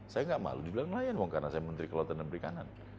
saya tidak malu dibilang nelayan karena saya menteri keluatan dan perikanan